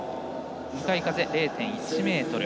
向かい風０．１メートル。